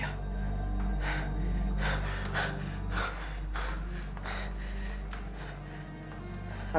apa sebenarnya yang terjadi sama dika